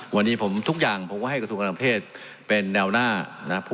วันนี้ผมทุกอย่างผมก็ให้กระทรวงการต่างประเทศเป็นแนวหน้านะครับ